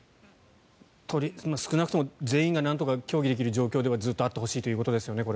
少なくとも全員がなんとか競技できる状況ではずっとあってほしいということですよね。